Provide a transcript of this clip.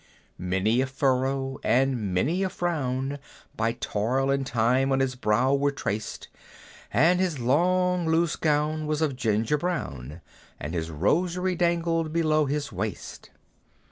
Many a furrow, and many a frown, By toil and time on his brow were traced; And his long loose gown was of ginger brown, And his rosary dangled below his waist.